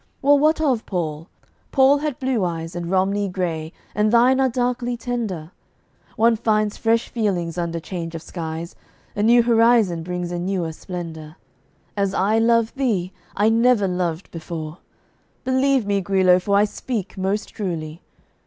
Well, what of Paul? Paul had blue eyes, And Romney gray, and thine are darkly tender! One finds fresh feelings under change of skies A new horizon brings a newer splendor. As I love thee I never loved before; Believe me, Guilo, for I speak most truly.